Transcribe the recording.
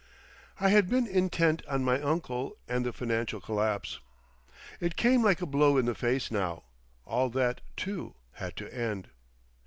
I had been intent on my uncle and the financial collapse. It came like a blow in the face now; all that, too, had to end!